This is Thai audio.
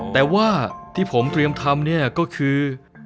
แต่ว่าที่ผมเตรียมทำเนี่ยก็คือ